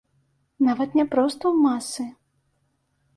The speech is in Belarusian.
Нават не проста ў масы!